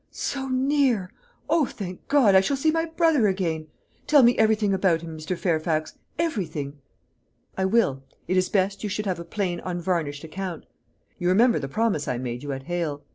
"So near! O, thank God, I shall see my brother again! Tell me everything about him, Mr. Fairfax everything." "I will. It is best you should have a plain unvarnished account. You remember the promise I made you at Hale?